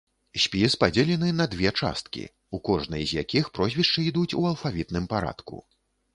Спіс падзелены на две часткі, у кожнай з якіх прозвішчы ідуць у алфавітным парадку.